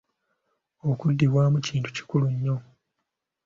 Okuddibwamu kintu kikulu nnyo.